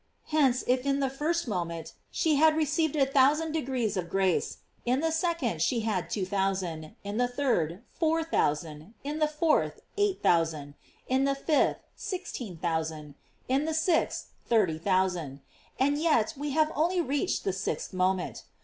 Hence, if, in the first moment, she had received a thousand degrees of grace, in the second she had two thousand, in the third four thousand, in the fourth eight thousand, in the fifth sixteen thousand, in the sixth thirty thousand; and yet we have only reached the sixth moment.